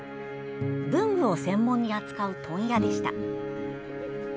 文具を専門に扱う問屋でした。